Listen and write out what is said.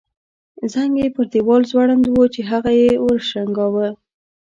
زنګ یې پر دیوال ځوړند وو چې هغه یې وشرنګاوه.